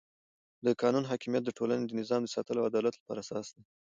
د قانون حاکمیت د ټولنې د نظم د ساتلو او عدالت لپاره اساسي دی